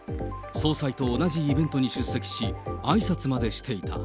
総裁と同じイベントに出席し、あいさつまでしていた。